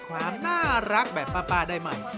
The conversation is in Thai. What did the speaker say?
ความน่ารักแบบป้าได้ใหม่